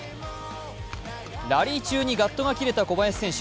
ラリー中にガットが切れた小林選手。